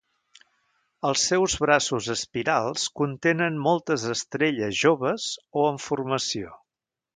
Els seus braços espirals contenen moltes estrelles joves o en formació.